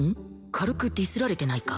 軽くディスられてないか？